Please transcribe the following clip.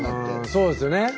そうですよね。